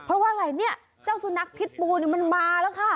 เพราะว่าอะไรเนี่ยเจ้าสุนัขพิษบูนี่มันมาแล้วค่ะ